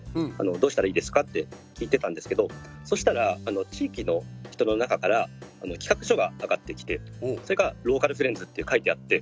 どうしたらいいですか？って聞いてたんですけどそしたら地域の人の中から企画書が上がってきてそれがローカルフレンズって書いてあって。